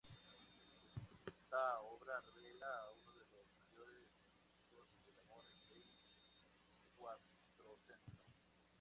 Esta obra revela a uno de los mayores líricos del amor del Quattrocento.